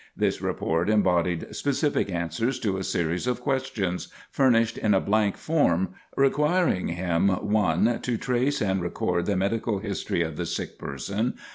This report embodied specific answers to a series of questions, furnished in a blank form, requiring him 1. To trace and record the medical history of the sick person.